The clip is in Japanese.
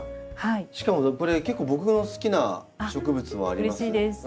しかもこれ結構僕の好きな植物もあります。